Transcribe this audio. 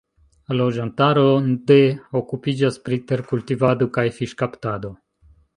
Loĝantaro de okupiĝas pri terkultivado kaj fiŝkaptado.